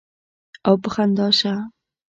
او پۀ خندا شۀ ـ